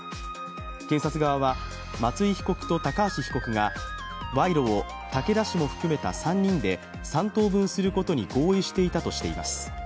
検察側は松井被告と高橋被告が賄賂を竹田氏も含めた３人で三等分することに合意していたとしています。